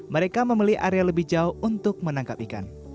mereka membeli area lebih jauh untuk menangkap ikan